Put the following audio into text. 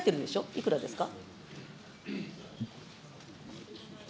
いくらですか。